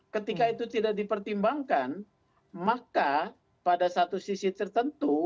ketika itu tidak dipertimbangkan maka pada satu sisi tertentu